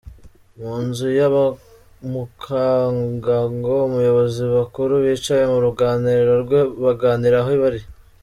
Mu nzu ya Mukangango abayobozi bakuru bicaye mu ruganiriro rwe baganiraho abiri….